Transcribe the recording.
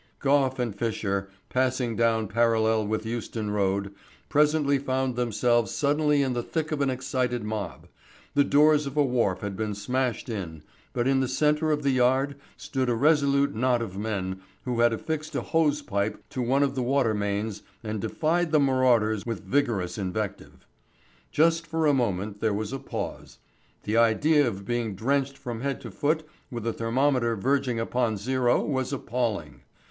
Gough and Fisher, passing down parallel with Euston Road, presently found themselves suddenly in the thick of an excited mob. The doors of a wharf had been smashed in, but in the centre of the yard stood a resolute knot of men who had affixed a hose pipe to one of the water mains and defied the marauders with vigorous invective. Just for a moment there was a pause. The idea of being drenched from head to foot with a thermometer verging upon zero was appalling.